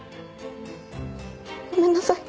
ごめんなさい。